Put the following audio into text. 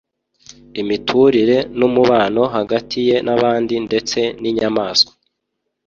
imiturire n’umubano hagati ye n’abandi ndetse n’inyamaswa